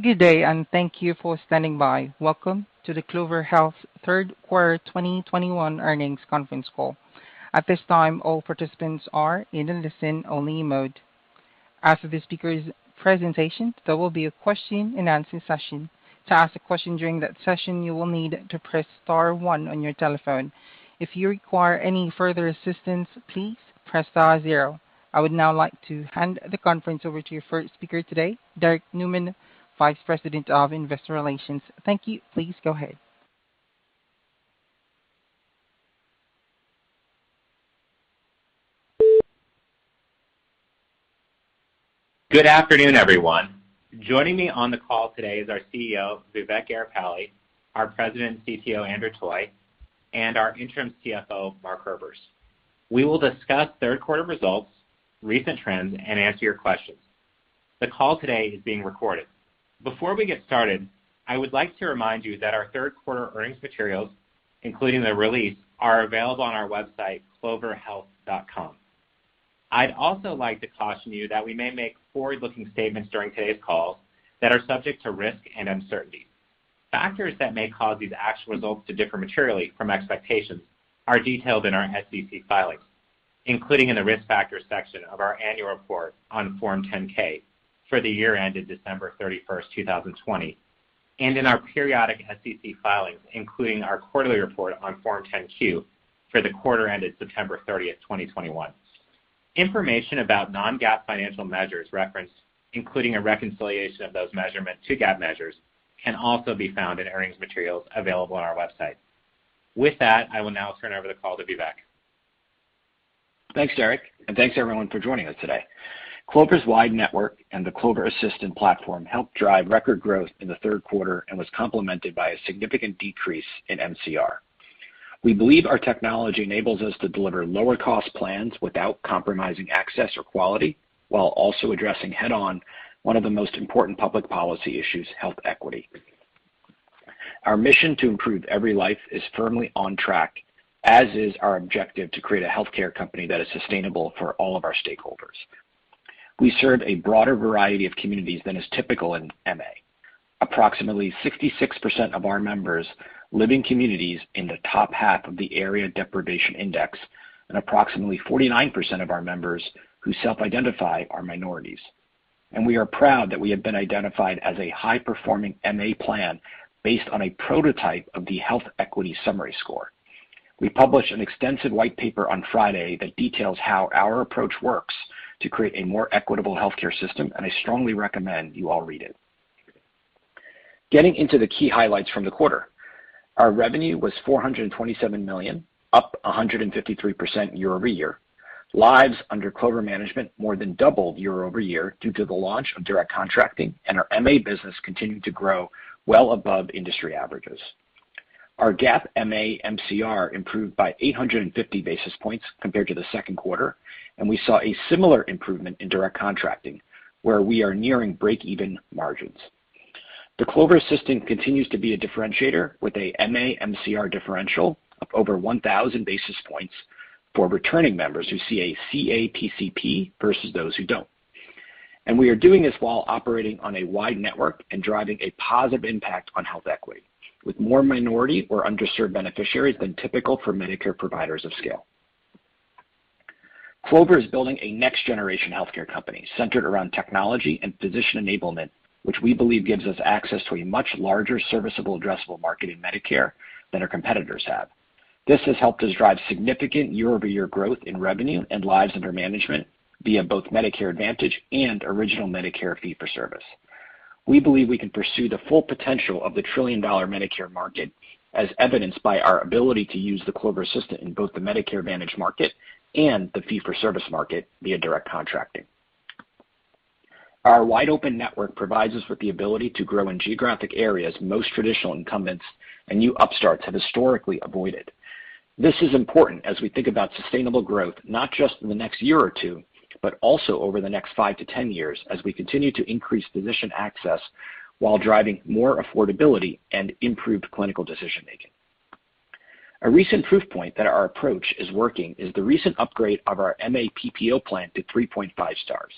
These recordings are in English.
Good day, and thank you for standing by. Welcome to the Clover Health third quarter 2021 earnings conference call. At this time, all participants are in a listen-only mode. After the speaker's presentation, there will be a question and answer session. To ask a question during that session, you will need to press star one on your telephone. If you require any further assistance, please press star zero. I would now like to hand the conference over to your first speaker today, Derek Neuman, Vice President of Investor Relations. Thank you. Please go ahead. Good afternoon, everyone. Joining me on the call today is our CEO, Vivek Garipalli, our President and CPO, Andrew Toy, and our interim CFO, Mark Herbers. We will discuss third quarter results, recent trends, and answer your questions. The call today is being recorded. Before we get started, I would like to remind you that our third quarter earnings materials, including the release, are available on our website, cloverhealth.com. I'd also like to caution you that we may make forward-looking statements during today's call that are subject to risk and uncertainty. Factors that may cause these actual results to differ materially from expectations are detailed in our SEC filings, including in the Risk Factors section of our annual report on Form 10-K for the year ended December 31, 2020, and in our periodic SEC filings, including our quarterly report on Form 10-Q for the quarter ended September 30, 2021. Information about non-GAAP financial measures referenced, including a reconciliation of those measurements to GAAP measures, can also be found in earnings materials available on our website. With that, I will now turn over the call to Vivek. Thanks, Derrick, and thanks everyone for joining us today. Clover's wide network and the Clover Assistant platform helped drive record growth in the third quarter and was complemented by a significant decrease in MCR. We believe our technology enables us to deliver lower cost plans without compromising access or quality, while also addressing head-on one of the most important public policy issues, health equity. Our mission to improve every life is firmly on track, as is our objective to create a healthcare company that is sustainable for all of our stakeholders. We serve a broader variety of communities than is typical in MA. Approximately 66% of our members live in communities in the top half of the Area Deprivation Index, and approximately 49% of our members who self-identify are minorities. We are proud that we have been identified as a high-performing MA plan based on a prototype of the Health Equity Summary Score. We published an extensive white paper on Friday that details how our approach works to create a more equitable healthcare system, and I strongly recommend you all read it. Getting into the key highlights from the quarter. Our revenue was $427 million, up 153% year-over-year. Lives under Clover management more than doubled year-over-year due to the launch of Direct Contracting, and our MA business continued to grow well above industry averages. Our GAAP MA MCR improved by 850 basis points compared to the second quarter, and we saw a similar improvement in Direct Contracting, where we are nearing break-even margins. The Clover Assistant continues to be a differentiator with a MA MCR differential of over 1,000 basis points for returning members who see a CA PCP versus those who don't. We are doing this while operating on a wide network and driving a positive impact on health equity, with more minority or underserved beneficiaries than typical for Medicare providers of scale. Clover is building a next-generation healthcare company centered around technology and physician enablement, which we believe gives us access to a much larger serviceable addressable market in Medicare than our competitors have. This has helped us drive significant year-over-year growth in revenue and lives under management via both Medicare Advantage and original Medicare fee-for-service. We believe we can pursue the full potential of the $1 trillion Medicare market, as evidenced by our ability to use the Clover Assistant in both the Medicare Advantage market and the fee-for-service market via Direct Contracting. Our wide-open network provides us with the ability to grow in geographic areas most traditional incumbents and new upstarts have historically avoided. This is important as we think about sustainable growth, not just in the next year or two, but also over the next five years-10 years as we continue to increase physician access while driving more affordability and improved clinical decision-making. A recent proof point that our approach is working is the recent upgrade of our MAPPO plan to 3.5 stars.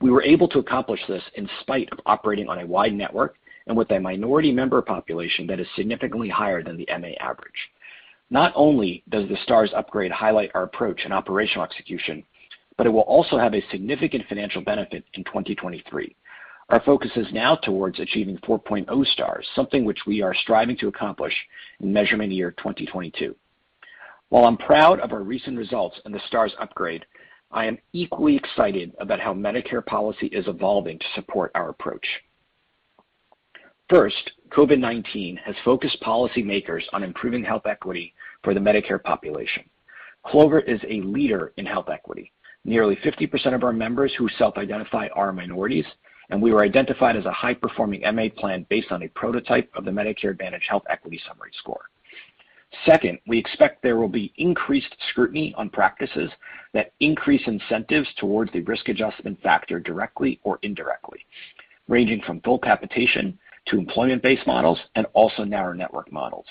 We were able to accomplish this in spite of operating on a wide network and with a minority member population that is significantly higher than the MA average. Not only does the Star Ratings upgrade highlight our approach and operational execution, but it will also have a significant financial benefit in 2023. Our focus is now towards achieving 4.0 stars, something which we are striving to accomplish in measurement year 2022. While I'm proud of our recent results and the Star Ratings upgrade, I am equally excited about how Medicare policy is evolving to support our approach. First, COVID-19 has focused policymakers on improving health equity for the Medicare population. Clover is a leader in health equity. Nearly 50% of our members who self-identify are minorities, and we were identified as a high-performing MA plan based on a prototype of the Medicare Advantage Health Equity Summary Score. Second, we expect there will be increased scrutiny on practices that increase incentives towards the risk adjustment factor directly or indirectly, ranging from full capitation to employment-based models and also narrow network models.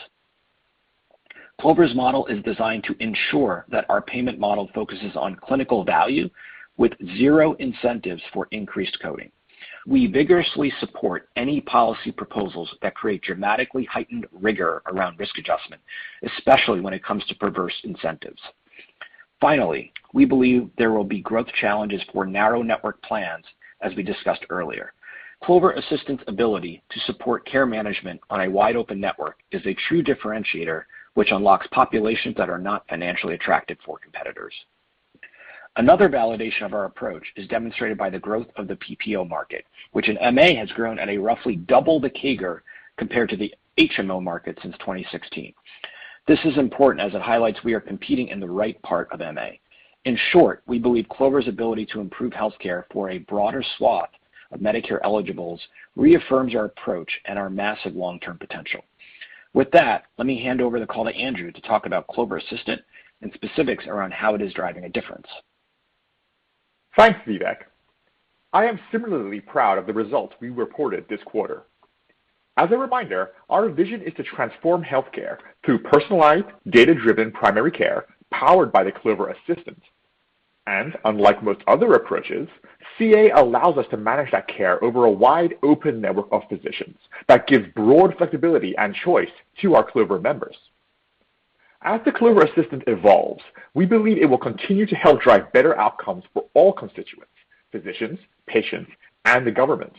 Clover's model is designed to ensure that our payment model focuses on clinical value with zero incentives for increased coding. We vigorously support any policy proposals that create dramatically heightened rigor around risk adjustment, especially when it comes to perverse incentives. Finally, we believe there will be growth challenges for narrow network plans, as we discussed earlier. Clover Assistant's ability to support care management on a wide-open network is a true differentiator, which unlocks populations that are not financially attractive for competitors. Another validation of our approach is demonstrated by the growth of the PPO market, which in MA has grown at roughly double the CAGR compared to the HMO market since 2016. This is important as it highlights we are competing in the right part of MA. In short, we believe Clover's ability to improve healthcare for a broader swath of Medicare eligibles reaffirms our approach and our massive long-term potential. With that, let me hand over the call to Andrew to talk about Clover Assistant and specifics around how it is driving a difference. Thanks, Vivek. I am similarly proud of the results we reported this quarter. As a reminder, our vision is to transform healthcare through personalized, data-driven primary care powered by the Clover Assistant. Unlike most other approaches, CA allows us to manage that care over a wide open network of physicians that give broad flexibility and choice to our Clover members. As the Clover Assistant evolves, we believe it will continue to help drive better outcomes for all constituents, physicians, patients, and the government.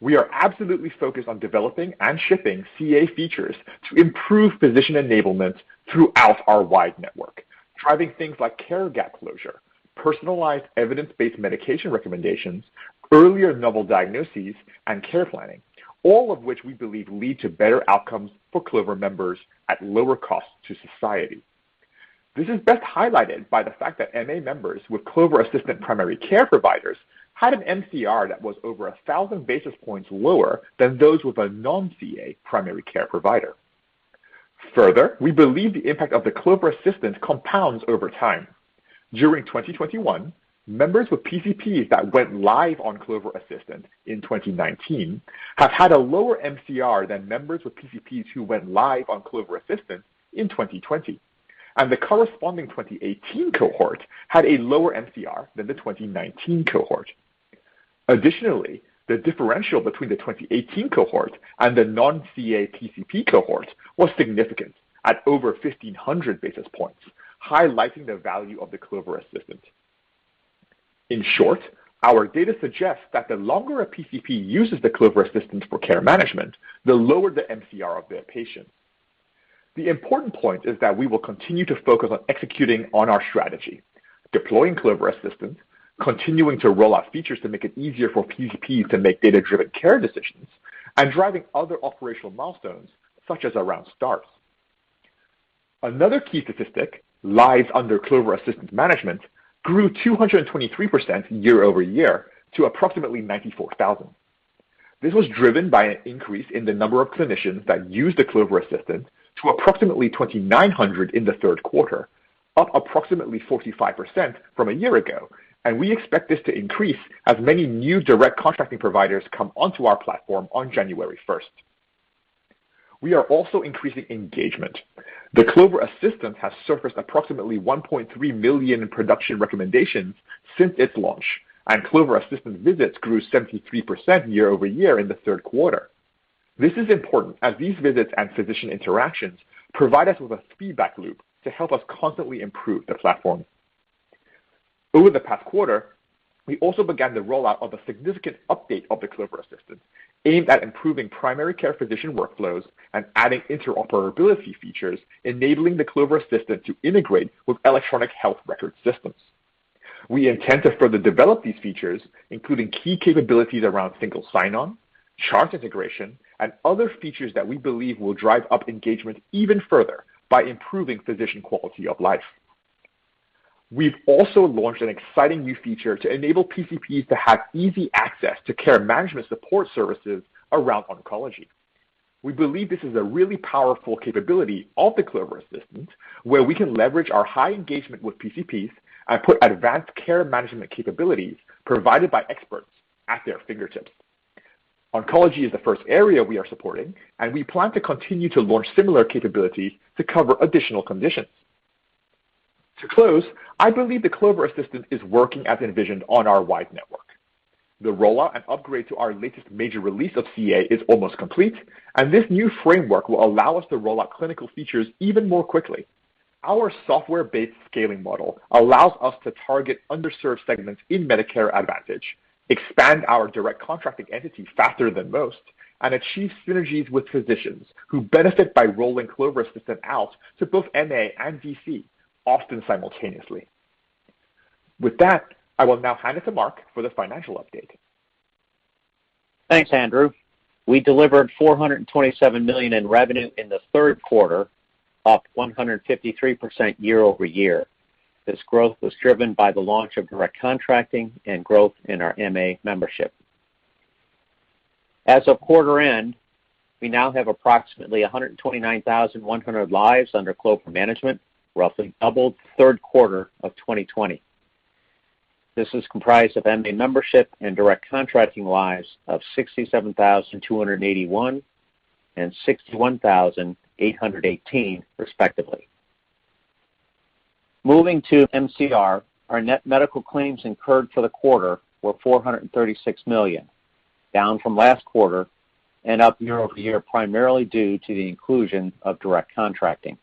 We are absolutely focused on developing and shipping CA features to improve physician enablement throughout our wide network, driving things like care gap closure, personalized evidence-based medication recommendations, earlier novel diagnoses, and care planning, all of which we believe lead to better outcomes for Clover members at lower cost to society. This is best highlighted by the fact that MA members with Clover Assistant primary care providers had an MCR that was over 1,000 basis points lower than those with a non-CA primary care provider. Further, we believe the impact of the Clover Assistant compounds over time. During 2021, members with PCPs that went live on Clover Assistant in 2019 have had a lower MCR than members with PCPs who went live on Clover Assistant in 2020. The corresponding 2018 cohort had a lower MCR than the 2019 cohort. Additionally, the differential between the 2018 cohort and the non-CAPCP cohort was significant at over 1,500 basis points, highlighting the value of the Clover Assistant. In short, our data suggests that the longer a PCP uses the Clover Assistant for care management, the lower the MCR of their patients. The important point is that we will continue to focus on executing on our strategy, deploying Clover Assistant, continuing to roll out features to make it easier for PCPs to make data-driven care decisions, and driving other operational milestones, such as around stars. Another key statistic lies under Clover Assistant management grew 223% year-over-year to approximately 94,000. This was driven by an increase in the number of clinicians that use the Clover Assistant to approximately 2,900 in the third quarter, up approximately 45% from a year ago. We expect this to increase as many new direct contracting providers come onto our platform on January first. We are also increasing engagement. The Clover Assistant has surfaced approximately 1.3 million in production recommendations since its launch, and Clover Assistant visits grew 73% year-over-year in the third quarter. This is important as these visits and physician interactions provide us with a feedback loop to help us constantly improve the platform. Over the past quarter, we also began the rollout of a significant update of the Clover Assistant aimed at improving primary care physician workflows and adding interoperability features, enabling the Clover Assistant to integrate with electronic health record systems. We intend to further develop these features, including key capabilities around single sign-on, chart integration, and other features that we believe will drive up engagement even further by improving physician quality of life. We've also launched an exciting new feature to enable PCPs to have easy access to care management support services around oncology. We believe this is a really powerful capability of the Clover Assistant, where we can leverage our high engagement with PCPs and put advanced care management capabilities provided by experts at their fingertips. Oncology is the first area we are supporting, and we plan to continue to launch similar capabilities to cover additional conditions. To close, I believe the Clover Assistant is working as envisioned on our wide network. The rollout and upgrade to our latest major release of CA is almost complete, and this new framework will allow us to roll out clinical features even more quickly. Our software-based scaling model allows us to target underserved segments in Medicare Advantage, expand our direct contracting entity faster than most, and achieve synergies with physicians who benefit by rolling Clover Assistant out to both MA and DC, often simultaneously. With that, I will now hand it to Mark for the financial update. Thanks, Andrew. We delivered $427 million in revenue in the third quarter, up 153% year-over-year. This growth was driven by the launch of Direct Contracting and growth in our MA membership. As of quarter end, we now have approximately 129,100 lives under Clover management, roughly doubled third quarter of 2020. This is comprised of MA membership and direct contracting lives of 67,281 and 61,818 respectively. Moving to MCR, our net medical claims incurred for the quarter were $436 million, down from last quarter and up year-over-year, primarily due to the inclusion of direct contracting.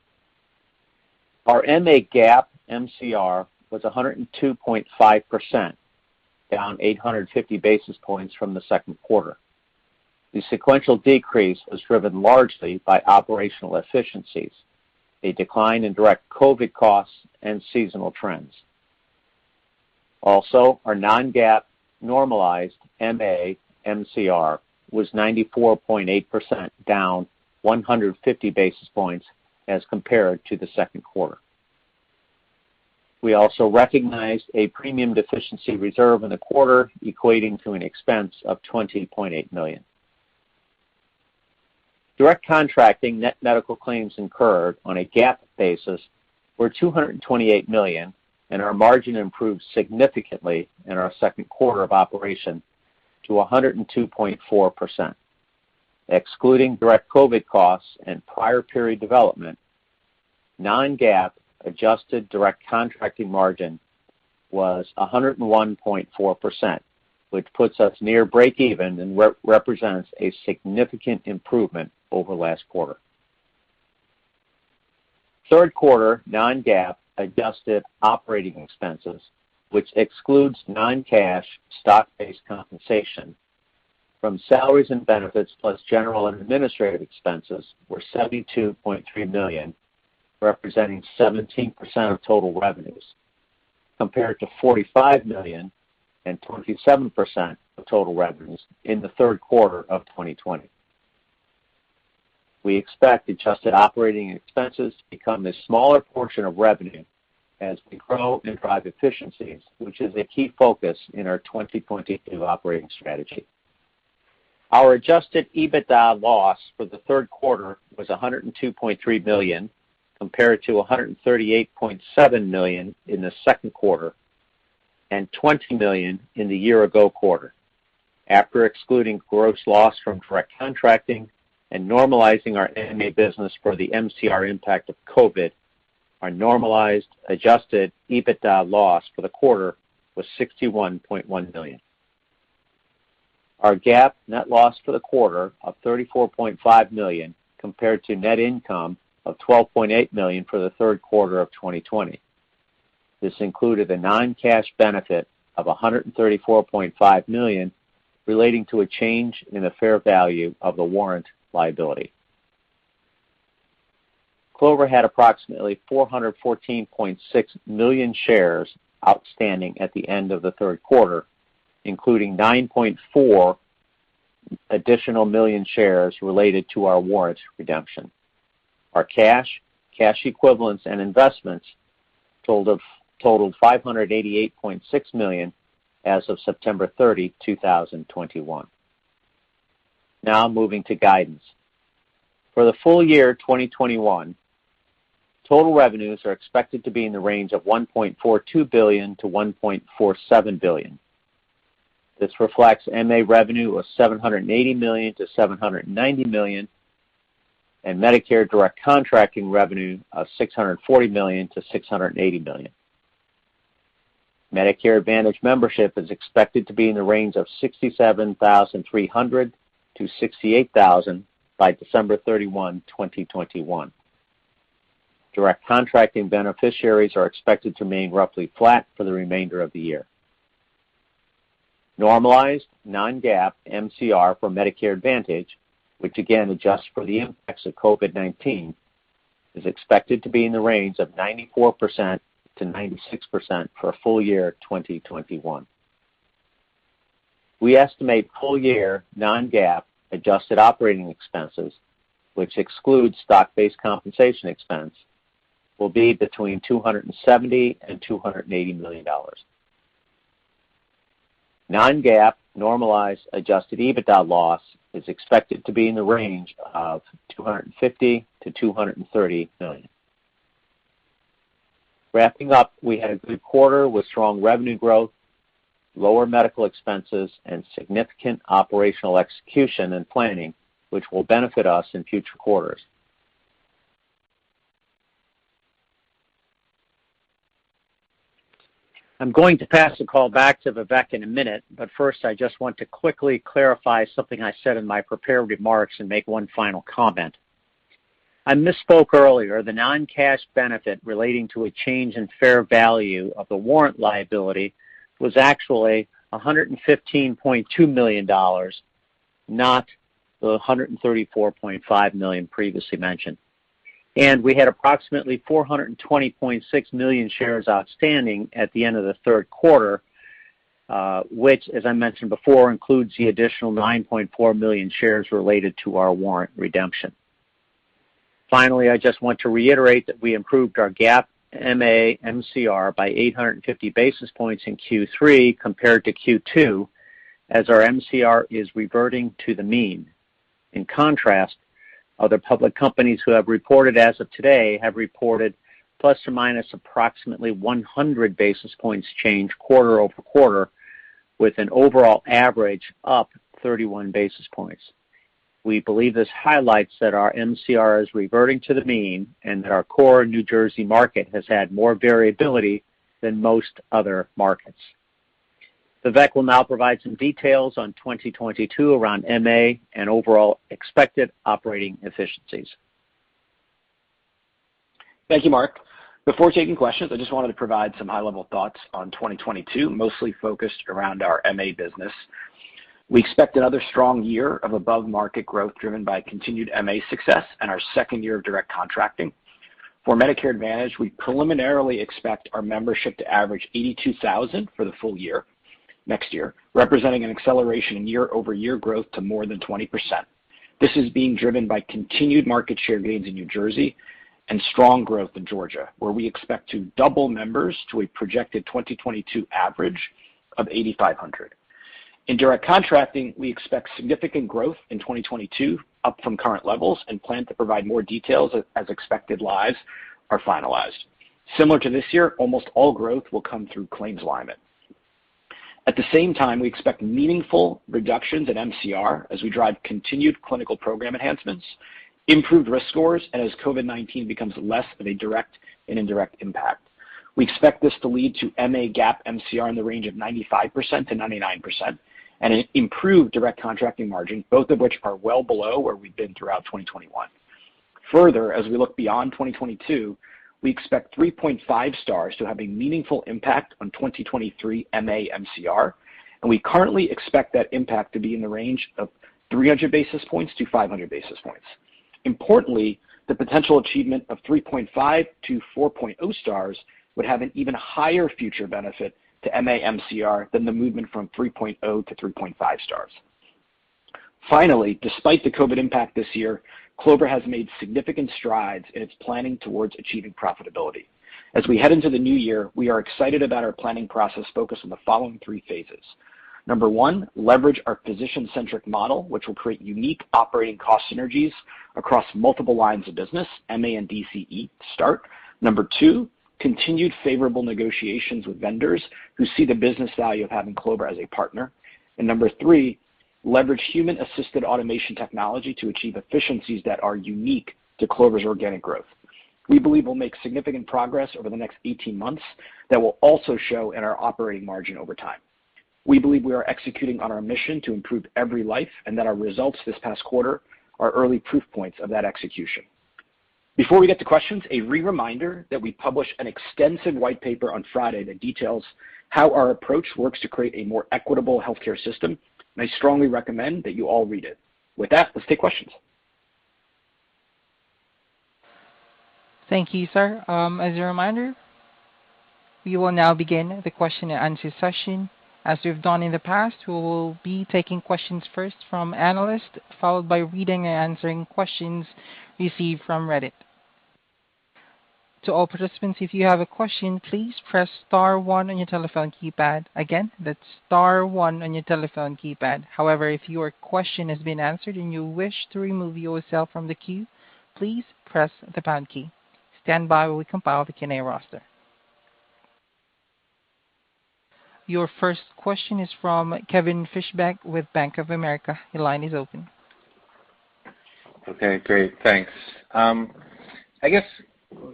Our MA GAAP MCR was 102.5%, down 850 basis points from the second quarter. The sequential decrease was driven largely by operational efficiencies, a decline in direct COVID costs, and seasonal trends. Also, our non-GAAP normalized MA MCR was 94.8%, down 150 basis points as compared to the second quarter. We also recognized a premium deficiency reserve in the quarter, equating to an expense of $20.8 million. Direct Contracting net medical claims incurred on a GAAP basis were $228 million, and our margin improved significantly in our second quarter of operation to 102.4%. Excluding direct COVID costs and prior period development, non-GAAP adjusted Direct Contracting margin was 101.4%, which puts us near breakeven and represents a significant improvement over last quarter. Third quarter non-GAAP adjusted operating expenses, which excludes non-cash stock-based compensation from salaries and benefits, plus general and administrative expenses, were $72.3 million, representing 17% of total revenues, compared to $45 million and 27% of total revenues in the third quarter of 2020. We expect adjusted operating expenses to become a smaller portion of revenue as we grow and drive efficiencies, which is a key focus in our 2022 operating strategy. Our adjusted EBITDA loss for the third quarter was $102.3 million, compared to $138.7 million in the second quarter, and $20 million in the year ago quarter. After excluding gross loss from direct contracting and normalizing our MA business for the MCR impact of COVID, our normalized adjusted EBITDA loss for the quarter was $61.1 million. Our GAAP net loss for the quarter of $34.5 million compared to net income of $12.8 million for the third quarter of 2020. This included a non-cash benefit of $134.5 million relating to a change in the fair value of the warrant liability. Clover had approximately 414.6 million shares outstanding at the end of the third quarter, including 9.4 additional million shares related to our warrant redemption. Our cash equivalents, and investments totaled $588.6 million as of September 30, 2021. Now moving to guidance. For the full year 2021, total revenues are expected to be in the range of $1.42 billion-$1.47 billion. This reflects MA revenue of $780 million-$790 million, and Medicare Direct Contracting revenue of $640 million-$680 million. Medicare Advantage membership is expected to be in the range of 67,300-68,000 by December 31, 2021. Direct Contracting beneficiaries are expected to remain roughly flat for the remainder of the year. Normalized non-GAAP MCR for Medicare Advantage, which again adjusts for the impacts of COVID-19, is expected to be in the range of 94%-96% for full year 2021. We estimate full year non-GAAP adjusted operating expenses, which excludes stock-based compensation expense, will be between $270 million and $280 million. Non-GAAP normalized adjusted EBITDA loss is expected to be in the range of $250 million-$230 million. Wrapping up, we had a good quarter with strong revenue growth, lower medical expenses, and significant operational execution and planning, which will benefit us in future quarters. I'm going to pass the call back to Vivek in a minute, but first, I just want to quickly clarify something I said in my prepared remarks and make one final comment. I misspoke earlier. The non-cash benefit relating to a change in fair value of the warrant liability was actually $115.2 million, not the $134.5 million previously mentioned. We had approximately 420.6 million shares outstanding at the end of the third quarter, which, as I mentioned before, includes the additional 9.4 million shares related to our warrant redemption. Finally, I just want to reiterate that we improved our GAAP MA MCR by 850 basis points in Q3 compared to Q2 as our MCR is reverting to the mean. In contrast, other public companies who have reported as of today have reported ± approximately 100 basis points change quarter-over-quarter, with an overall average up 31 basis points. We believe this highlights that our MCR is reverting to the mean and that our core New Jersey market has had more variability than most other markets. Vivek will now provide some details on 2022 around MA and overall expected operating efficiencies. Thank you, Mark. Before taking questions, I just wanted to provide some high-level thoughts on 2022, mostly focused around our MA business. We expect another strong year of above-market growth driven by continued MA success and our second year of Direct Contracting. For Medicare Advantage, we preliminarily expect our membership to average 82,000 for the full year next year, representing an acceleration in year-over-year growth to more than 20%. This is being driven by continued market share gains in New Jersey and strong growth in Georgia, where we expect to double members to a projected 2022 average of 8,500. In Direct Contracting, we expect significant growth in 2022 up from current levels and plan to provide more details as expected lives are finalized. Similar to this year, almost all growth will come through claims-based alignment. At the same time, we expect meaningful reductions in MCR as we drive continued clinical program enhancements, improved risk scores, and as COVID-19 becomes less of a direct and indirect impact. We expect this to lead to MA GAAP MCR in the range of 95%-99% and an improved direct contracting margin, both of which are well below where we've been throughout 2021. Further, as we look beyond 2022, we expect 3.5 stars to have a meaningful impact on 2023 MA MCR, and we currently expect that impact to be in the range of 300 basis points-500 basis points. Importantly, the potential achievement of 3.5-4.0 stars would have an even higher future benefit to MA MCR than the movement from 3.0-3.5 stars. Finally, despite the COVID impact this year, Clover has made significant strides in its planning towards achieving profitability. As we head into the new year, we are excited about our planning process focused on the following three phases. Number one, leverage our physician-centric model, which will create unique operating cost synergies across multiple lines of business, MA and DCE to start. Number two, continued favorable negotiations with vendors who see the business value of having Clover as a partner. Number three, leverage human-assisted automation technology to achieve efficiencies that are unique to Clover's organic growth. We believe we'll make significant progress over the next 18 months that will also show in our operating margin over time. We believe we are executing on our mission to improve every life and that our results this past quarter are early proof points of that execution. Before we get to questions, a reminder that we published an extensive white paper on Friday that details how our approach works to create a more equitable healthcare system, and I strongly recommend that you all read it. With that, let's take questions. Thank you, sir. As a reminder, we will now begin the question and answer session. As we've done in the past, we will be taking questions first from analysts, followed by reading and answering questions received from Reddit. To all participants, if you have a question, please press star one on your telephone keypad. Again, that's star one on your telephone keypad. However, if your question has been answered and you wish to remove yourself from the queue, please press the pound key. Stand by while we compile the Q&A roster. Your first question is from Kevin Fischbeck with Bank of America. Your line is open. Okay, great. Thanks. I guess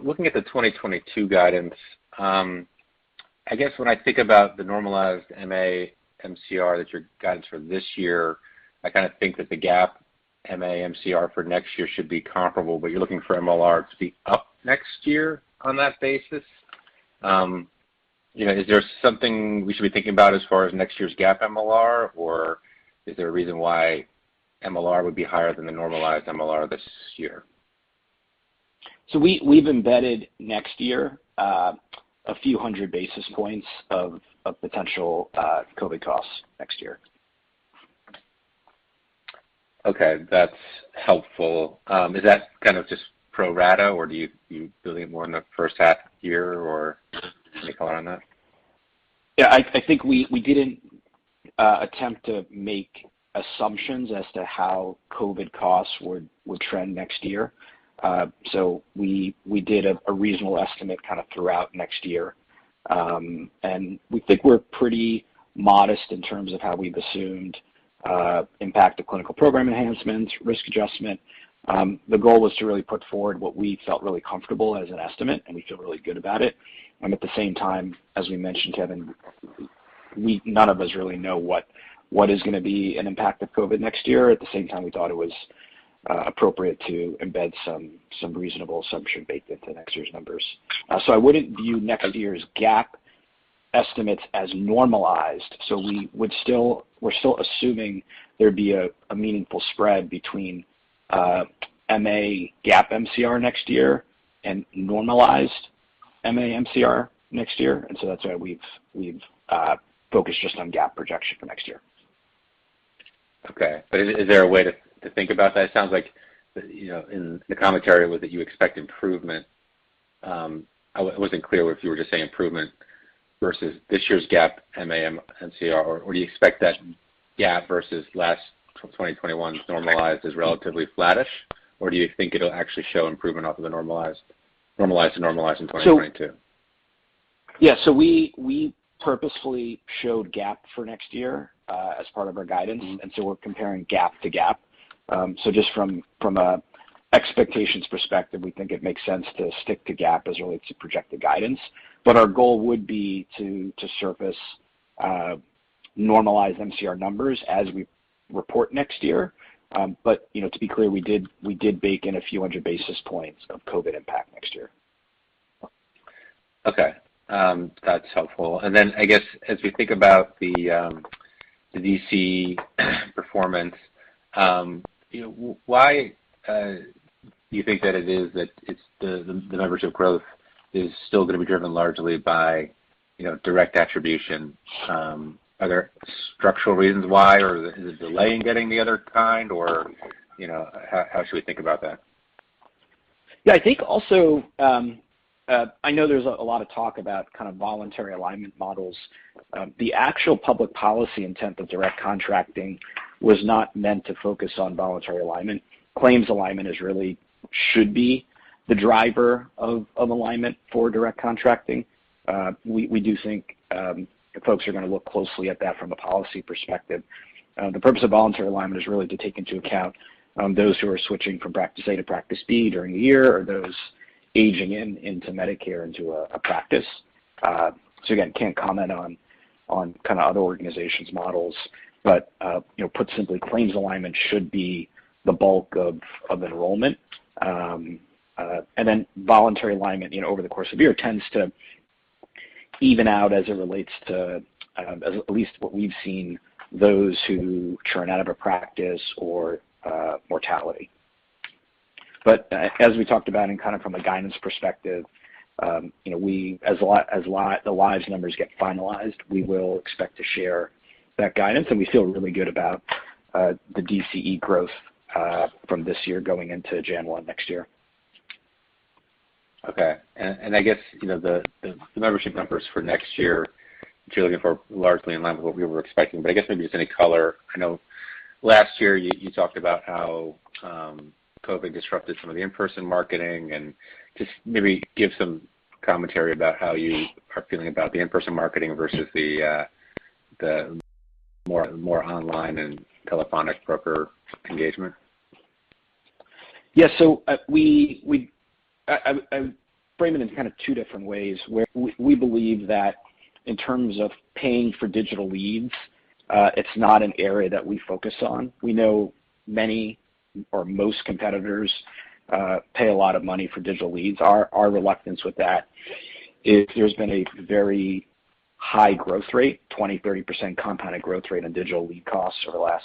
looking at the 2022 guidance, I guess when I think about the normalized MA MCR that your guidance for this year, I kind of think that the GAAP MA MCR for next year should be comparable, but you're looking for MLR to be up next year on that basis. You know, is there something we should be thinking about as far as next year's GAAP MLR, or is there a reason why MLR would be higher than the normalized MLR this year? We've embedded next year a few hundred basis points of potential COVID costs next year. Okay, that's helpful. Is that kind of just pro rata, or do you building it more in the first half year or can you comment on that? Yeah, I think we didn't attempt to make assumptions as to how COVID costs would trend next year. So we did a reasonable estimate kind of throughout next year. We think we're pretty modest in terms of how we've assumed impact of clinical program enhancements, risk adjustment. The goal was to really put forward what we felt really comfortable as an estimate, and we feel really good about it. At the same time, as we mentioned, Kevin, none of us really know what is gonna be an impact of COVID next year. At the same time, we thought it was appropriate to embed some reasonable assumption baked into next year's numbers. I wouldn't view next year's GAAP estimates as normalized. We're still assuming there'd be a meaningful spread between MA GAAP MCR next year and normalized MA MCR next year. That's why we've focused just on gap projection for next year. Okay. Is there a way to think about that? It sounds like, you know, in the commentary, was that you expect improvement. I wasn't clear if you were just saying improvement versus this year's GAAP, MA MCR, or do you expect that GAAP versus last, 2021 normalized is relatively flattish? Do you think it'll actually show improvement off of the normalized to normalized in 2022? We purposefully showed GAAP for next year as part of our guidance. We're comparing GAAP to GAAP. Just from an expectations perspective, we think it makes sense to stick to GAAP as relates to projected guidance. Our goal would be to surface normalized MCR numbers as we report next year. You know, to be clear, we did bake in a few hundred basis points of COVID impact next year. Okay. That's helpful. I guess, as we think about the DCE performance, you know, why do you think that it is that it's the membership growth is still gonna be driven largely by, you know, voluntary alignment? Are there structural reasons why, or is it delay in getting the other kind? Or, you know, how should we think about that? Yeah, I think also, I know there's a lot of talk about kind of voluntary alignment models. The actual public policy intent of Direct Contracting was not meant to focus on voluntary alignment. Claims alignment really should be the driver of alignment for Direct Contracting. We do think folks are gonna look closely at that from a policy perspective. The purpose of voluntary alignment is really to take into account those who are switching from practice A to practice B during the year or those aging into Medicare into a practice. Again, can't comment on kind of other organizations' models. You know, put simply, claims-based alignment should be the bulk of enrollment. Voluntary alignment, you know, over the course of a year tends to even out as it relates to, as at least what we've seen, those who churn out of a practice or mortality. As we talked about and kind of from a guidance perspective, you know, as the lives numbers get finalized, we will expect to share that guidance, and we feel really good about the DCE growth from this year going into January 1 next year. Okay. I guess, you know, the membership numbers for next year, if you're looking for largely in line with what we were expecting, but I guess maybe just any color. I know last year you talked about how COVID disrupted some of the in-person marketing, and just maybe give some commentary about how you are feeling about the in-person marketing versus the more online and telephonic broker engagement. I frame it in kind of two different ways, where we believe that in terms of paying for digital leads, it's not an area that we focus on. We know many or most competitors pay a lot of money for digital leads. Our reluctance with that is there's been a very high growth rate, 20%-30% compounded growth rate on digital lead costs over the last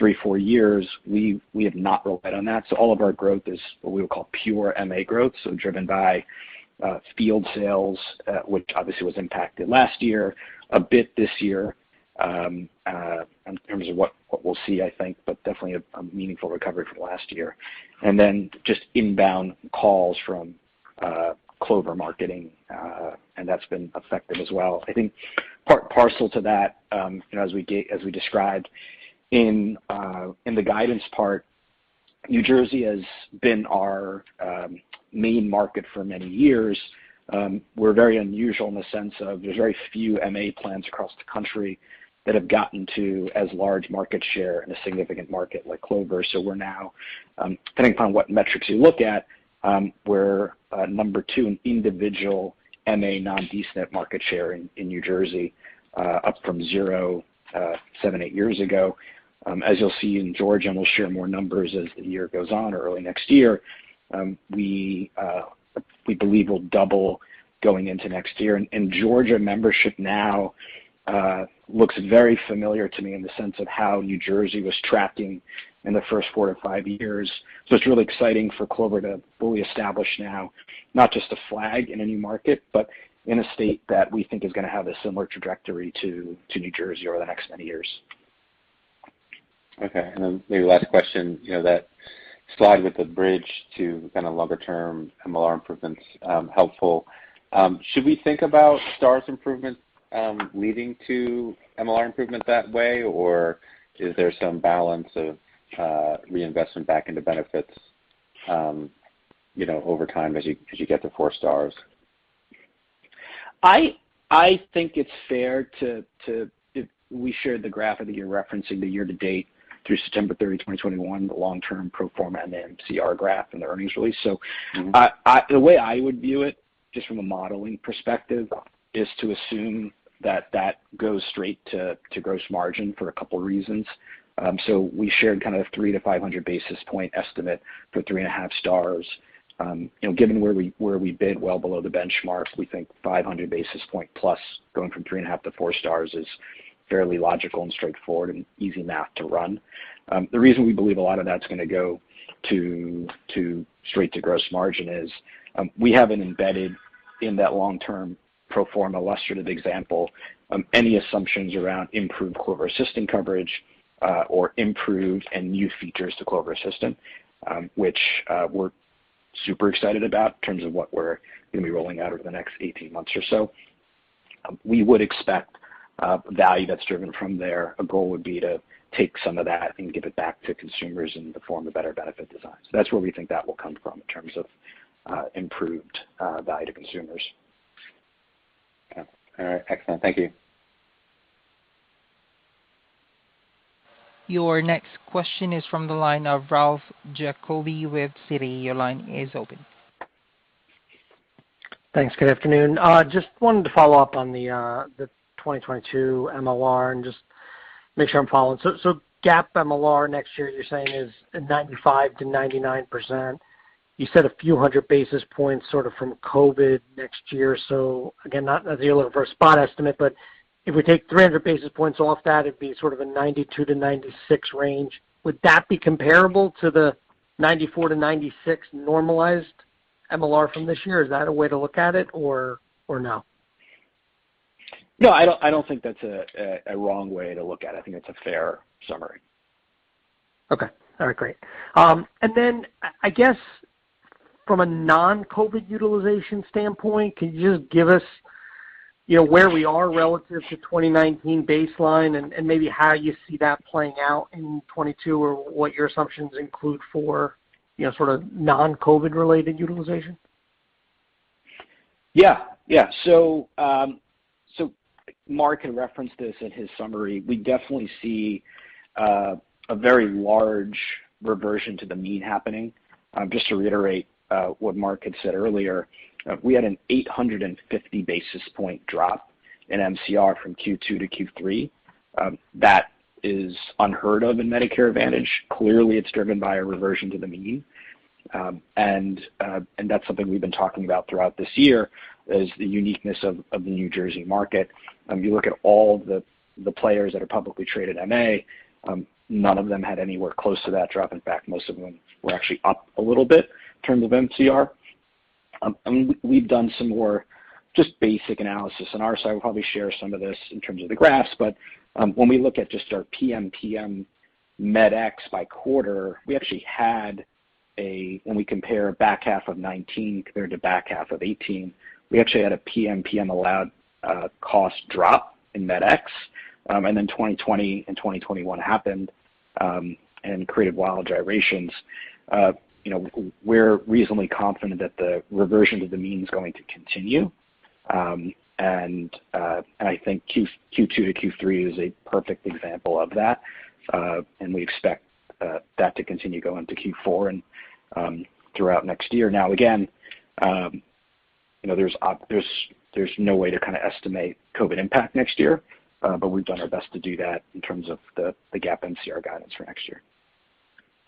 3-4 years. We have not relied on that. All of our growth is what we would call pure MA growth, so driven by field sales, which obviously was impacted last year, a bit this year, in terms of what we'll see, I think, but definitely a meaningful recovery from last year. Just inbound calls from Clover marketing, and that's been effective as well. I think part and parcel to that, you know, as we described in the guidance part, New Jersey has been our main market for many years. We're very unusual in the sense of there's very few MA plans across the country that have gotten to as large market share in a significant market like Clover. We're now, depending upon what metrics you look at, we're number two in individual MA non-D-SNP market share in New Jersey, up from zero seven, eight years ago. As you'll see in Georgia, and we'll share more numbers as the year goes on or early next year, we believe we'll double going into next year. Georgia membership now looks very familiar to me in the sense of how New Jersey was tracking in the first 4-5 years. It's really exciting for Clover to fully establish now, not just a flag in a new market, but in a state that we think is gonna have a similar trajectory to New Jersey over the next many years. Okay. Then maybe last question, you know, that slide with the bridge to kind of longer-term MLR improvements, helpful. Should we think about stars improvement, leading to MLR improvement that way, or is there some balance of, reinvestment back into benefits, you know, over time as you get to four stars? I think it's fair. We shared the graph that you're referencing, the year-to-date through September 30, 2021, the long-term pro forma MCR graph in the earnings release. I the way I would view it, just from a modeling perspective, is to assume that that goes straight to gross margin for a couple reasons. We shared kind of 300-500 basis points estimate for 3.5 stars. You know, given where we bid well below the benchmark, we think 500 basis points plus going from 3.5-4 stars is fairly logical and straightforward and easy math to run. The reason we believe a lot of that's gonna go to straight to gross margin is, we have an embedded in that long term pro forma illustrative example, any assumptions around improved Clover Assistant coverage, or improved and new features to Clover Assistant, which, we're super excited about in terms of what we're gonna be rolling out over the next 18 months or so. We would expect value that's driven from there. Our goal would be to take some of that and give it back to consumers in the form of better benefit designs. That's where we think that will come from in terms of improved value to consumers. Okay. All right. Excellent. Thank you. Your next question is from the line of Ralph Giacobbe with Citi. Your line is open. Thanks. Good afternoon. Just wanted to follow up on the 2022 MLR and just make sure I'm following. GAAP MLR next year you're saying is 95%-99%. You said a few hundred basis points sort of from COVID next year. Again, not necessarily looking for a spot estimate, but if we take 300 basis points off that, it'd be sort of a 92%-96% range. Would that be comparable to the 94%-96% normalized MLR from this year? Is that a way to look at it or no? No, I don't think that's a wrong way to look at it. I think it's a fair summary. Okay. All right, great. I guess from a non-COVID utilization standpoint, can you just give us, you know, where we are relative to 2019 baseline and maybe how you see that playing out in 2022 or what your assumptions include for, you know, sort of non-COVID related utilization? Yeah. Yeah. Mark had referenced this in his summary. We definitely see a very large reversion to the mean happening. Just to reiterate, what Mark had said earlier, we had an 850 basis point drop in MCR from Q2 to Q3. That is unheard of in Medicare Advantage. Clearly, it's driven by a reversion to the mean. That's something we've been talking about throughout this year is the uniqueness of the New Jersey market. You look at all the players that are publicly traded MA, none of them had anywhere close to that drop. In fact, most of them were actually up a little bit in terms of MCR. We've done some more just basic analysis on our side. We'll probably share some of this in terms of the graphs. When we look at just our PMPM medical expense by quarter, we actually had, when we compare back half of 2019 compared to back half of 2018, we actually had a PMPM allowed cost drop in medical expense. Then 2020 and 2021 happened and created wild gyrations. You know, we're reasonably confident that the reversion to the mean is going to continue. I think Q2 to Q3 is a perfect example of that. We expect that to continue going to Q4 and throughout next year. Now, again, you know, there's no way to kind of estimate COVID impact next year, but we've done our best to do that in terms of the GAAP MCR guidance for next year.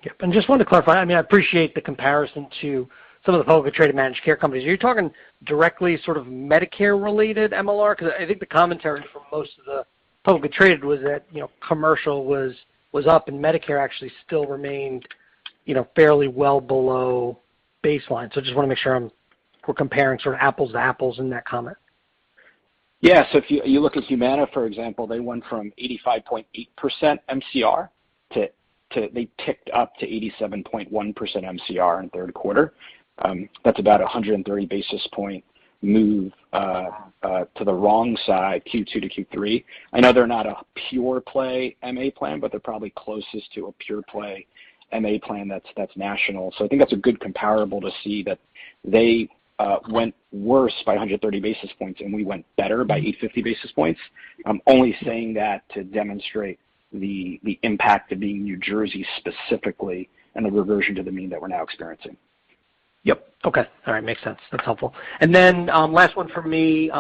Yeah. Just wanted to clarify, I mean, I appreciate the comparison to some of the publicly traded managed care companies. Are you talking directly sort of Medicare related MLR? 'Cause I think the commentary from most of the publicly traded was that, you know, commercial was up and Medicare actually still remained, you know, fairly well below baseline. I just wanna make sure we're comparing sort of apples to apples in that comment. Yeah. If you look at Humana, for example, they went from 85.8% MCR-87.1% MCR in third quarter. That's about 130 basis point move to the wrong side, Q2 to Q3. I know they're not a pure play MA plan, but they're probably closest to a pure play MA plan that's national. I think that's a good comparable to see that they went worse by 130 basis points and we went better by 850 basis points. I'm only saying that to demonstrate the impact of being New Jersey specifically and the reversion to the mean that we're now experiencing. Yep. Okay. All right. Makes sense. That's helpful. Last one for me.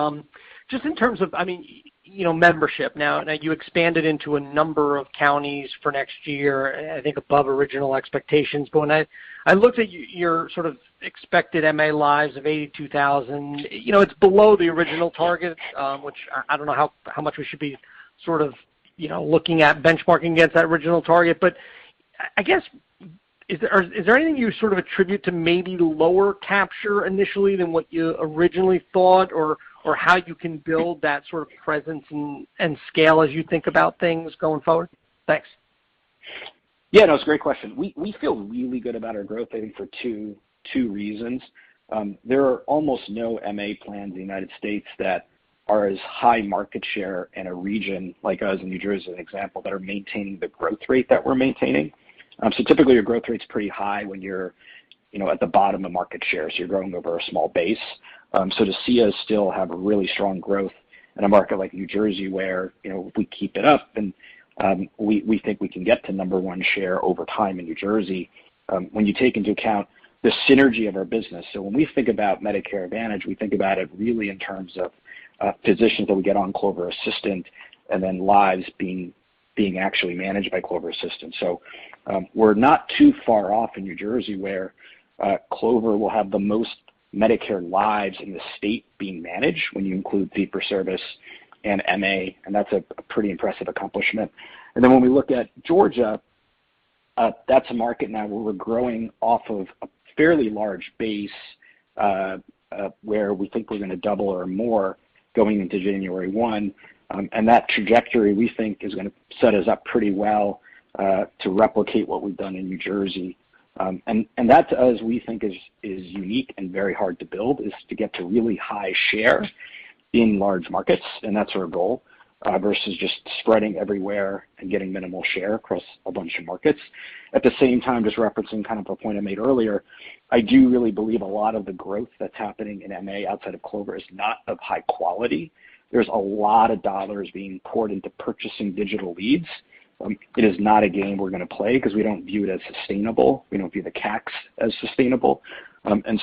Just in terms of, I mean, you know, membership. Now you expanded into a number of counties for next year, I think above original expectations going in. I looked at your sort of expected MA lives of 82,000. You know, it's below the original target, which I don't know how much we should be sort of, you know, looking at benchmarking against that original target. But I guess, is there anything you sort of attribute to maybe lower capture initially than what you originally thought or how you can build that sort of presence and scale as you think about things going forward? Thanks. Yeah, no, it's a great question. We feel really good about our growth, I think for two reasons. There are almost no MA plans in the United States that are as high market share in a region like us in New Jersey, as an example, that are maintaining the growth rate that we're maintaining. So typically your growth rate's pretty high when you're, you know, at the bottom of market shares. You're growing over a small base. So to see us still have a really strong growth in a market like New Jersey where, you know, if we keep it up then, we think we can get to number one share over time in New Jersey, when you take into account the synergy of our business. When we think about Medicare Advantage, we think about it really in terms of physicians that we get on Clover Assistant and then lives being actually managed by Clover Assistant. We're not too far off in New Jersey where Clover will have the most Medicare lives in the state being managed when you include fee-for-service and MA, and that's a pretty impressive accomplishment. When we look at Georgia, that's a market now where we're growing off of a fairly large base where we think we're gonna double or more going into January 1. That trajectory, we think is gonna set us up pretty well to replicate what we've done in New Jersey. That's as we think is unique and very hard to build, is to get to really high share in large markets, and that's our goal, versus just spreading everywhere and getting minimal share across a bunch of markets. At the same time, just referencing kind of a point I made earlier, I do really believe a lot of the growth that's happening in MA outside of Clover is not of high quality. There's a lot of dollars being poured into purchasing digital leads. It is not a game we're gonna play 'cause we don't view it as sustainable. We don't view the CACs as sustainable.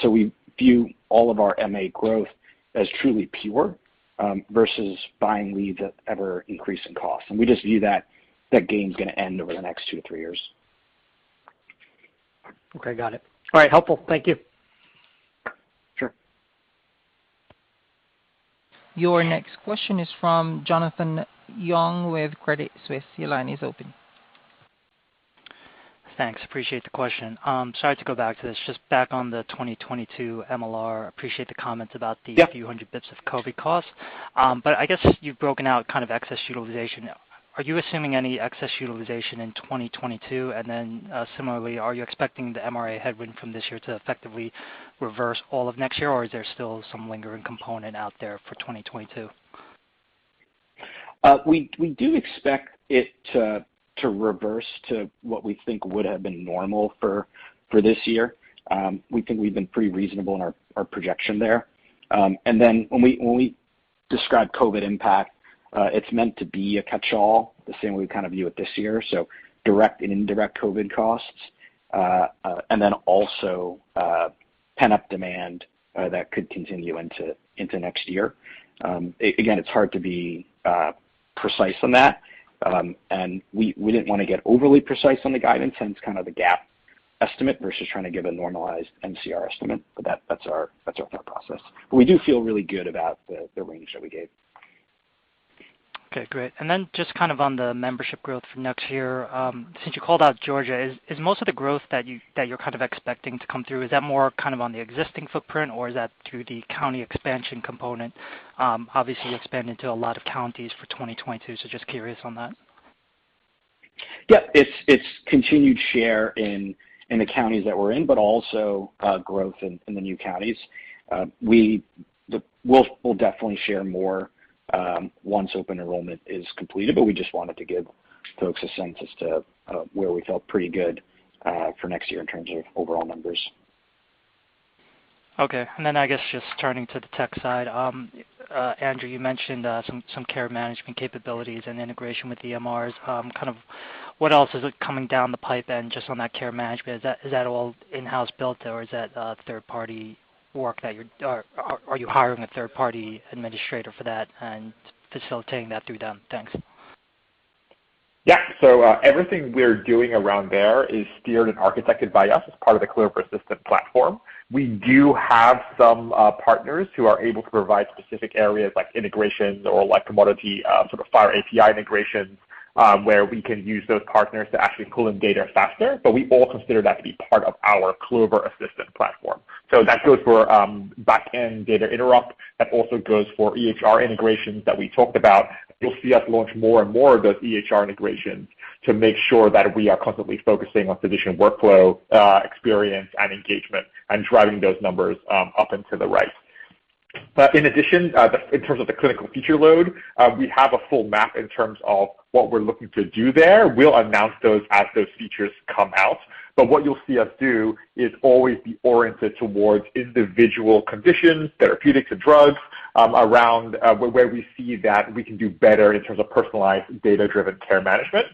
We view all of our MA growth as truly pure, versus buying leads that ever increase in cost. We just view that game's gonna end over the next 2-3 years. Okay. Got it. All right. Helpful. Thank you. Sure. Your next question is from Jonathan Yong with Credit Suisse. Your line is open. Thanks. Appreciate the question. Sorry to go back to this. Just back on the 2022 MLR, appreciate the comments about the. Yeah. A few hundred bits of COVID costs. I guess you've broken out kind of excess utilization. Are you assuming any excess utilization in 2022? Similarly, are you expecting the MRA headwind from this year to effectively reverse all of next year, or is there still some lingering component out there for 2022? We do expect it to reverse to what we think would have been normal for this year. We think we've been pretty reasonable in our projection there. When we describe COVID impact, it's meant to be a catchall, the same way we kind of view it this year, so direct and indirect COVID costs, and then also pent-up demand that could continue into next year. Again, it's hard to be precise on that. We didn't wanna get overly precise on the guidance since kind of the GAAP estimate versus trying to give a normalized MCR estimate, but that's our thought process. We do feel really good about the range that we gave. Okay, great. Just kind of on the membership growth for next year, since you called out Georgia, is most of the growth that you're kind of expecting to come through, is that more kind of on the existing footprint, or is that through the county expansion component? Obviously you expand into a lot of counties for 2022, so just curious on that. Yeah. It's continued share in the counties that we're in, but also growth in the new counties. We'll definitely share more once open enrollment is completed, but we just wanted to give folks a sense as to where we felt pretty good for next year in terms of overall numbers. Okay. Then I guess just turning to the tech side, Andrew, you mentioned some care management capabilities and integration with EMRs. Kind of what else is coming down the pipe then just on that care management? Is that all in-house built, or is that third party work? Are you hiring a third party administrator for that and facilitating that through them? Thanks. Yeah. Everything we're doing around there is steered and architected by us as part of the Clover Assistant platform. We do have some partners who are able to provide specific areas like integrations or like commodity sort of FHIR API integrations, where we can use those partners to actually pull in data faster, but we all consider that to be part of our Clover Assistant platform. That goes for backend data infrastructure. That also goes for EHR integrations that we talked about. You'll see us launch more and more of those EHR integrations to make sure that we are constantly focusing on physician workflow experience and engagement and driving those numbers up and to the right. In addition, in terms of the clinical feature load, we have a full map in terms of what we're looking to do there. We'll announce those as those features come out. But what you'll see us do is always be oriented towards individual conditions, therapeutics or drugs, around where we see that we can do better in terms of personalized data-driven care management.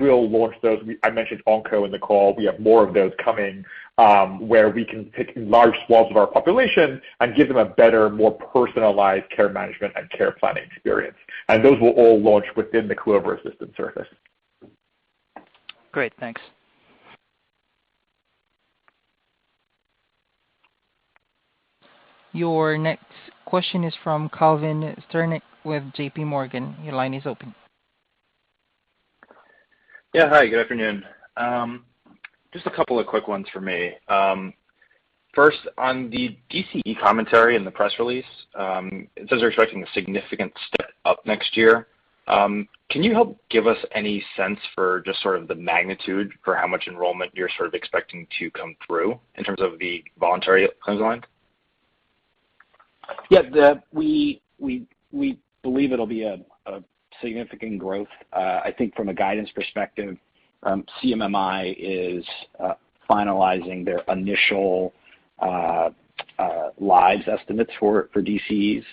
We'll launch those. I mentioned oncology in the call. We have more of those coming, where we can pick large swaths of our population and give them a better, more personalized care management and care planning experience. Those will all launch within the Clover Assistant service. Great. Thanks. Your next question is from Calvin Sternick with JPMorgan. Your line is open. Yeah. Hi, good afternoon. Just a couple of quick ones for me. First, on the DCE commentary in the press release, it says you're expecting a significant step up next year. Can you help give us any sense for just sort of the magnitude for how much enrollment you're sort of expecting to come through in terms of the voluntary alignment? Yeah. We believe it'll be a significant growth. I think from a guidance perspective, CMMI is finalizing their initial lives estimates for DCEs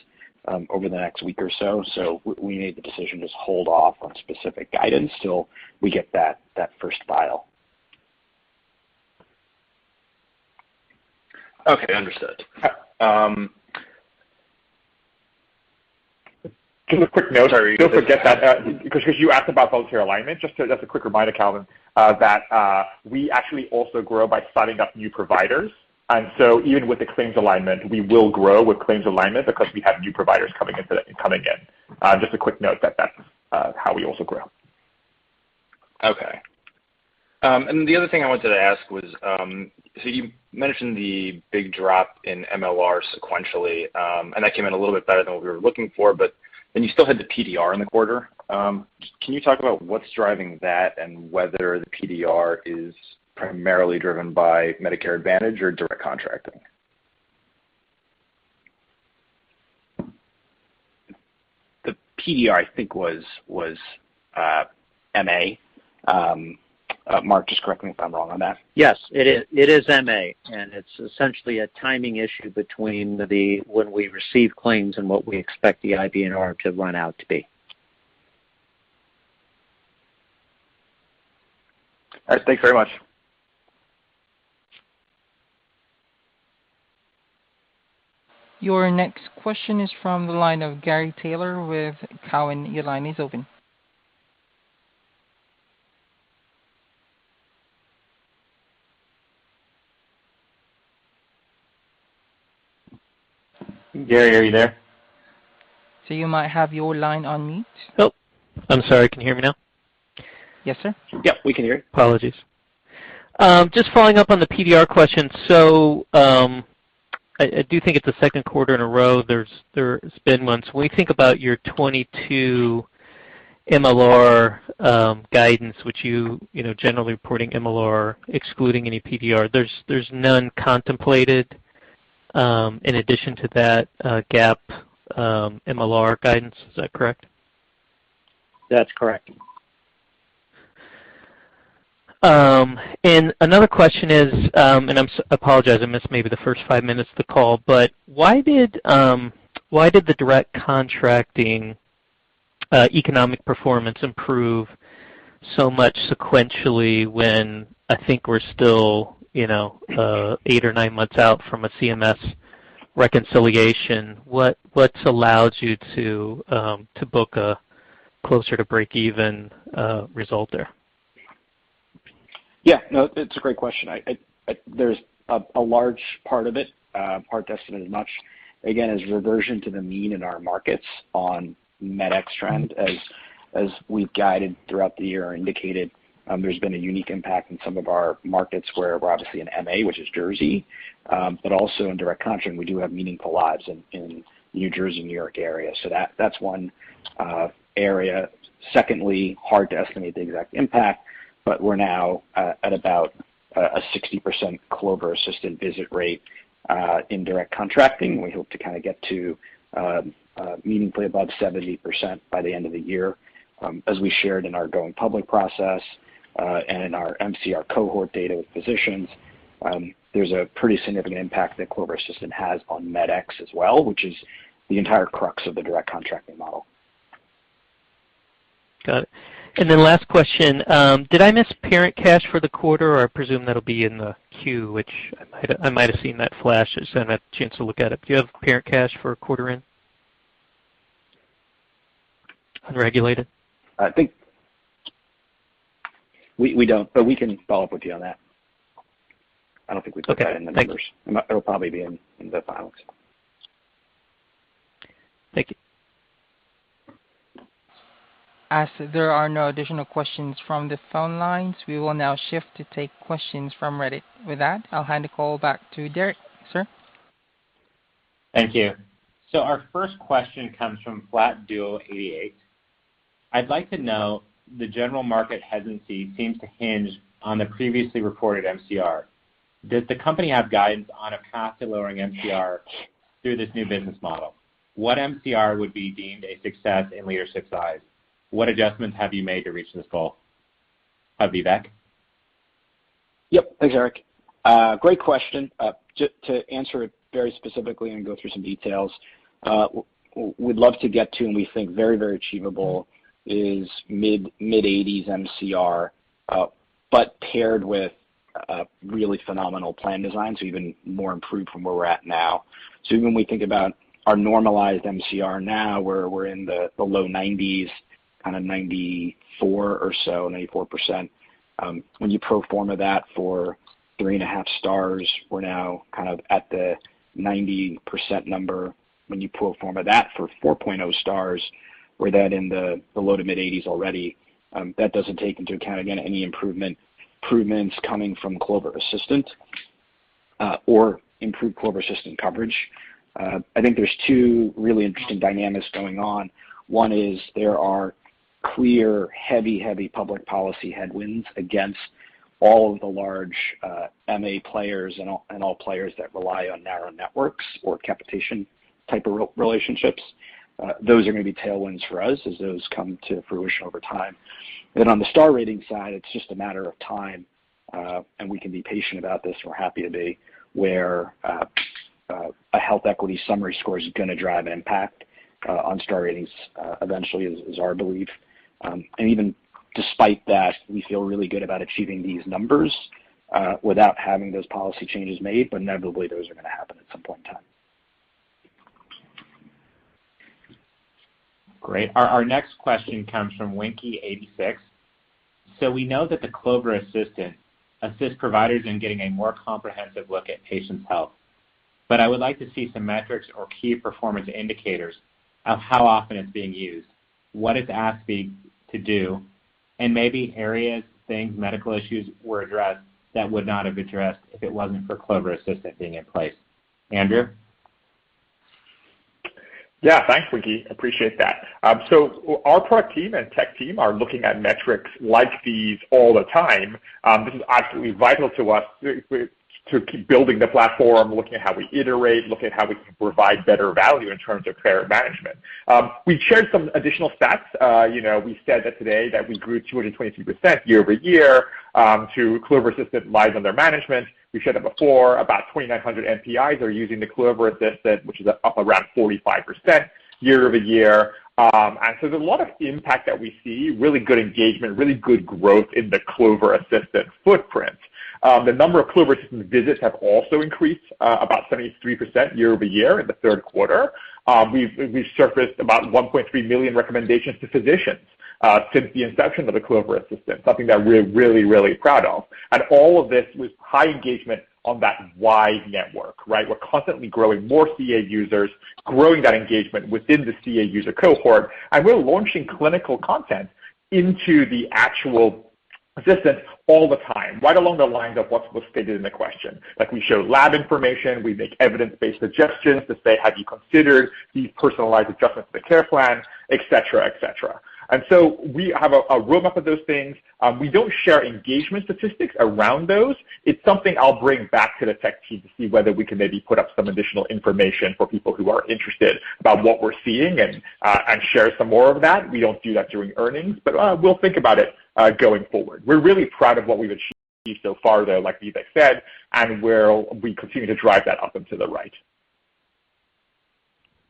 over the next week or so. We made the decision to just hold off on specific guidance till we get that first file. Okay. Understood. Just a quick note. Don't forget that, 'cause you asked about voluntary alignment, just a quick reminder, Calvin, that we actually also grow by signing up new providers. Even with the claims-based alignment, we will grow with claims-based alignment because we have new providers coming in. Just a quick note that that's how we also grow. Okay. The other thing I wanted to ask was, you mentioned the big drop in MLR sequentially, and that came in a little bit better than what we were looking for, but then you still had the PDR in the quarter. Can you talk about what's driving that and whether the PDR is primarily driven by Medicare Advantage or Direct Contracting? The PDR, I think, was MA. Mark, just correct me if I'm wrong on that. Yes, it is MA, and it's essentially a timing issue between when we receive claims and what we expect the IDNR to run out to be. All right. Thanks very much. Your next question is from the line of Gary Taylor with Cowen. Your line is open. Gary, are you there? You might have your line on mute. Oh, I'm sorry. Can you hear me now? Yes, sir. Yeah, we can hear you. Apologies. Just following up on the PDR question. I do think it's the second quarter in a row there's been months. When we think about your 2022 MLR guidance, which you know generally reporting MLR excluding any PDR, there's none contemplated in addition to that GAAP MLR guidance. Is that correct? That's correct. Another question is, and I'm apologizing, I missed maybe the first five minutes of the call, but why did the Direct Contracting economic performance improve so much sequentially when I think we're still, you know, eight or nine months out from a CMS reconciliation? What's allowed you to book a closer to breakeven result there? Yeah. No, that's a great question. There's a large part of it hard to estimate as much again as reversion to the mean in our markets on medex trend. As we've guided throughout the year or indicated, there's been a unique impact in some of our markets where we're obviously in MA, which is Jersey, but also in direct contracting, we do have meaningful lives in New Jersey, New York area. That's one area. Secondly, hard to estimate the exact impact, but we're now at about a 60% Clover Assistant visit rate in direct contracting. We hope to kinda get to meaningfully above 70% by the end of the year. As we shared in our going public process, and in our MCR cohort data with physicians, there's a pretty significant impact that Clover Assistant has on MedX as well, which is the entire crux of the Direct Contracting model. Got it. Last question, did I miss parent cash for the quarter, or I presume that'll be in the queue, which I might have seen that flash as I had a chance to look at it. Do you have parent cash for quarter end? Unregulated. I think we don't, but we can follow up with you on that. I don't think we put that in the numbers. It'll probably be in the filings. Thank you. As there are no additional questions from the phone lines, we will now shift to take questions from Reddit. With that, I'll hand the call back to Derrick, sir. Thank you. Our first question comes from FlatDuoEighty-Eight. I'd like to know the general market hesitancy seems to hinge on the previously reported MCR. Does the company have guidance on a path to lowering MCR through this new business model? What MCR would be deemed a success in leadership's eyes? What adjustments have you made to reach this goal? Vivek? Yep. Thanks, Eric. Great question. Just to answer it very specifically and go through some details, we'd love to get to and we think very, very achievable is mid-80s MCR, but paired with really phenomenal plan designs, even more improved from where we're at now. Even when we think about our normalized MCR now, where we're in the low 90s, kind of 94% or so, 94%, when you pro forma that for 3.5 stars, we're now kind of at the 90% number. When you pro forma that for 4.0 stars, we're that in the low to mid-80s already. That doesn't take into account, again, any improvements coming from Clover Assistant, or improved Clover Assistant coverage. I think there's two really interesting dynamics going on. One is there are clear, heavy public policy headwinds against all of the large MA players and all players that rely on narrow networks or capitation type of relationships. Those are gonna be tailwinds for us as those come to fruition over time. On the Star rating side, it's just a matter of time and we can be patient about this. We're happy to be where a Health Equity Summary Score is gonna drive impact on Star ratings eventually is our belief. Even despite that, we feel really good about achieving these numbers without having those policy changes made, but inevitably those are gonna happen at some point in time. Great. Our next question comes from Winky Eighty-Six. We know that the Clover Assistant assists providers in getting a more comprehensive look at patients' health. But I would like to see some metrics or key performance indicators of how often it's being used, what it's asking to do, and maybe areas, things, medical issues were addressed that would not have addressed if it wasn't for Clover Assistant being in place. Andrew? Yeah. Thanks, Ricky. Appreciate that. So our product team and tech team are looking at metrics like these all the time. This is absolutely vital to us to keep building the platform, looking at how we iterate, looking at how we can provide better value in terms of care management. We've shared some additional stats. You know, we said that today that we grew 222% year-over-year to Clover Assistant lives under management. We've said that before, about 2,900 NPIs are using the Clover Assistant, which is up around 45% year-over-year. There's a lot of impact that we see, really good engagement, really good growth in the Clover Assistant footprint. The number of Clover Assistant visits have also increased about 73% year-over-year in the third quarter. We've surfaced about 1.3 million recommendations to physicians since the inception of the Clover Assistant, something that we're really proud of. All of this with high engagement on that wide network, right? We're constantly growing more CA users, growing that engagement within the CA user cohort, and we're launching clinical content into the actual Assistant all the time, right along the lines of what was stated in the question. Like, we show lab information, we make evidence-based suggestions to say, "Have you considered these personalized adjustments to care plans?" etc. We have a roadmap of those things. We don't share engagement statistics around those. It's something I'll bring back to the tech team to see whether we can maybe put up some additional information for people who are interested about what we're seeing and share some more of that. We don't do that during earnings, but we'll think about it going forward. We're really proud of what we've achieved so far, though, like Vivek said, and we continue to drive that up and to the right.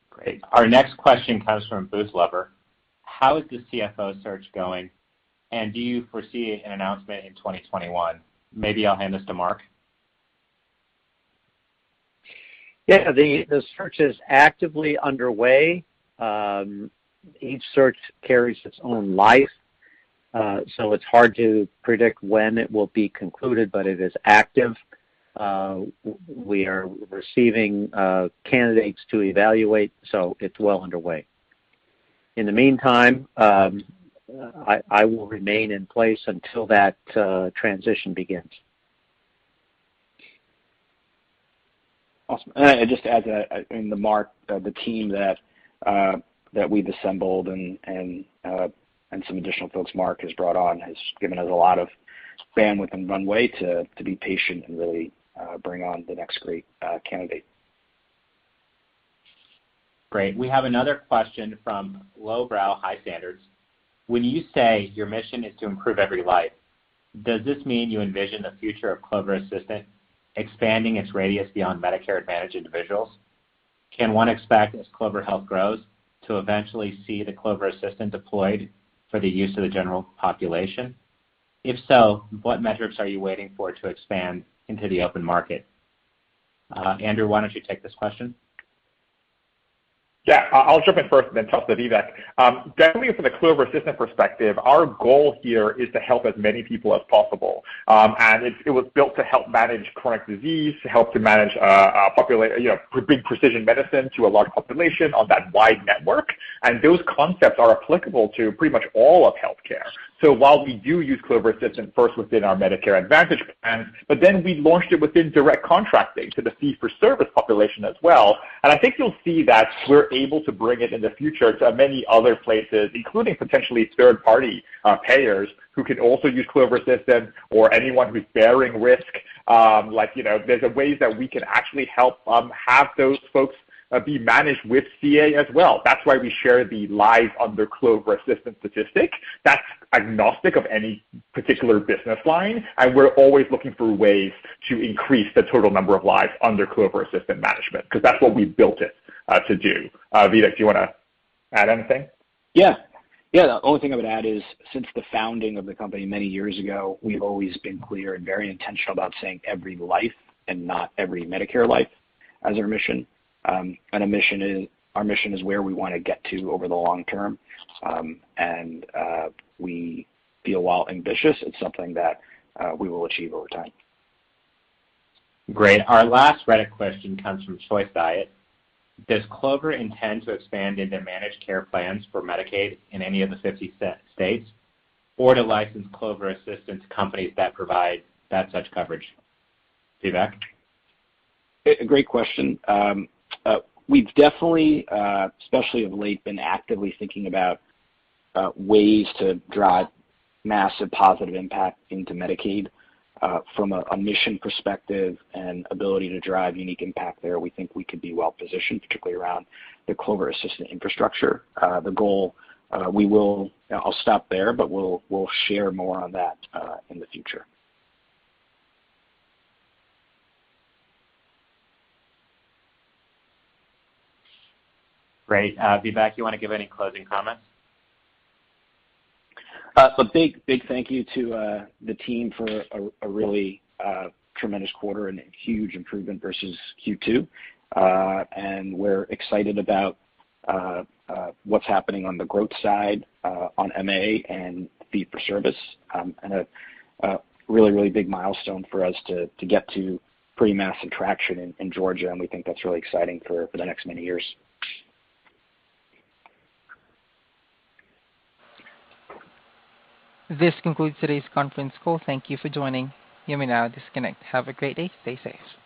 Great. Our next question comes from Booth Lover. How is the CFO search going, and do you foresee an announcement in 2021? Maybe I'll hand this to Mark. Yeah. The search is actively underway. Each search carries its own life, so it's hard to predict when it will be concluded, but it is active. We are receiving candidates to evaluate, so it's well underway. In the meantime, I will remain in place until that transition begins. Awesome. I just add that and the Mark, the team that we've assembled and some additional folks Mark has brought on has given us a lot of bandwidth and runway to be patient and really bring on the next great candidate. Great. We have another question from Lowbrow High Standards. When you say your mission is to improve every life, does this mean you envision the future of Clover Assistant expanding its radius beyond Medicare Advantage individuals? Can one expect, as Clover Health grows, to eventually see the Clover Assistant deployed for the use of the general population? If so, what metrics are you waiting for to expand into the open market? Andrew, why don't you take this question? Yeah. I'll jump in first and then toss to Vivek. Definitely from the Clover Assistant perspective, our goal here is to help as many people as possible. It was built to help manage chronic disease, you know, bring precision medicine to a large population on that wide network, and those concepts are applicable to pretty much all of healthcare. While we do use Clover Assistant first within our Medicare Advantage plans, but then we launched it within Direct Contracting to the fee-for-service population as well. I think you'll see that we're able to bring it in the future to many other places, including potentially third-party payers who can also use Clover Assistant or anyone who's bearing risk. Like, you know, there's ways that we can actually help have those folks be managed with CA as well. That's why we share the lives under Clover Assistant statistic. That's agnostic of any particular business line, and we're always looking for ways to increase the total number of lives under Clover Assistant management because that's what we built it to do. Vivek, do you wanna add anything? Yeah. The only thing I would add is since the founding of the company many years ago, we've always been clear and very intentional about saying every life and not every Medicare life as our mission. Our mission is where we wanna get to over the long term. We feel, while ambitious, it's something that we will achieve over time. Great. Our last Reddit question comes from Choice Diet. Does Clover intend to expand into managed care plans for Medicaid in any of the 50 states or to license Clover Assistant to companies that provide such coverage? Vivek? A great question. We've definitely, especially of late, been actively thinking about ways to drive massive positive impact into Medicaid, from a mission perspective and ability to drive unique impact there. We think we could be well positioned, particularly around the Clover Assistant infrastructure. The goal. I'll stop there, but we'll share more on that in the future. Great. Vivek, you wanna give any closing comments? Big thank you to the team for a really tremendous quarter and huge improvement versus Q2. We're excited about what's happening on the growth side, on MA and fee-for-service, and a really big milestone for us to get to pretty massive traction in Georgia, and we think that's really exciting for the next many years. This concludes today's conference call. Thank you for joining. You may now disconnect. Have a great day. Stay safe.